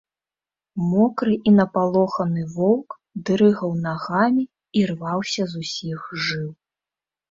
Мокры і напалоханы воўк дрыгаў нагамі і рваўся з усіх жыл.